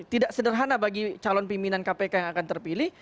tidak sederhana bagi calon pimpinan kpk yang akan terpilih